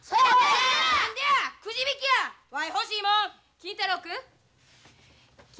金太郎君。